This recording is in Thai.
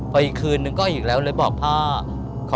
โปรดติดตามต่อไป